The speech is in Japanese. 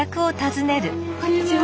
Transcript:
こんにちは。